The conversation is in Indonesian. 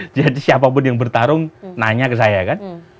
jadi siapapun yang bertarung nanya ke saya kan